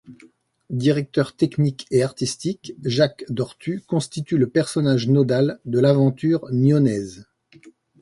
Directeur technique et artistique, Jacques Dortu constitue le personnage nodal de l’aventure nyonnaise.